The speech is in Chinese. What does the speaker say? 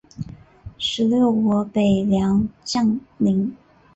十六国北凉将领。